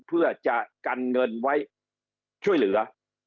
เพื่อจะกันเงินไว้ช่วยเหลือ